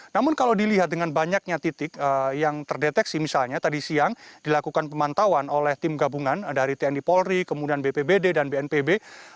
namun kalau dilihat dengan banyaknya titik yang terdeteksi misalnya tadi siang dilakukan pemantauan oleh tim gabungan dari tni polri kemudian bpbd dan bnpb